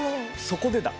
そこでだ。